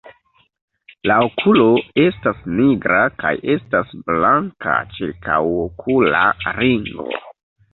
La okulo estas nigra kaj estas blanka ĉirkaŭokula ringo.